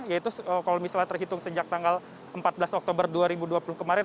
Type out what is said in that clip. yaitu kalau misalnya terhitung sejak tanggal empat belas oktober dua ribu dua puluh kemarin